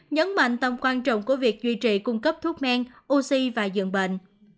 nhấn mạnh tầm quan trọng của việc duy trì cung cấp thuốc men oxy và dưỡng bệnh